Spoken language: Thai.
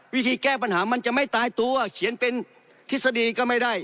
วิธีแก้ปัญหามันจะไม่ตายตัวเขียนเป็นทฤษฎีก็ไม่ได้